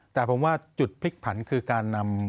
แต่ผมว่าจุดพลิกผันคือการนำ